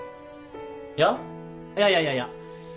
いやいやいやいやいや。